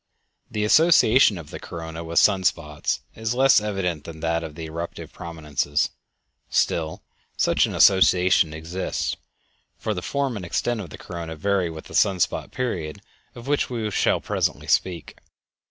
The association of the corona with sun spots is less evident than that of the eruptive prominences; still such an association exists, for the form and extent of the corona vary with the sun spot period of which we shall presently speak.